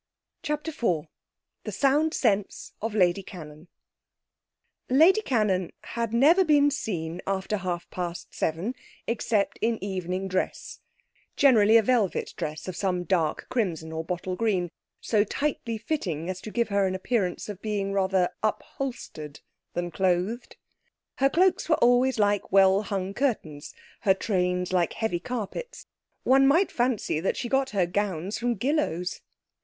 CHAPTER IV The Sound Sense of Lady Cannon Lady Cannon had never been seen after half past seven except in evening dress, generally a velvet dress of some dark crimson or bottle green, so tightly fitting as to give her an appearance of being rather upholstered than clothed. Her cloaks were always like well hung curtains, her trains like heavy carpets; one might fancy that she got her gowns from Gillows.